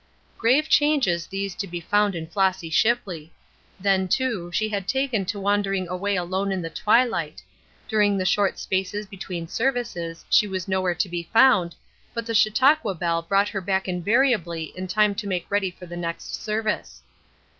Grave changes these to be found in Flossy Shipley. Then, too, she had taken to wandering away alone in the twilight; during the short spaces between services she was nowhere to be found, but the Chautauqua bell brought her back invariably in time to make ready for the next service.